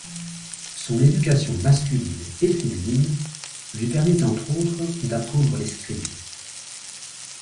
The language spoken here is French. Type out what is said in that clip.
Son éducation masculine et féminine lui permit entre autres d'apprendre l'escrime.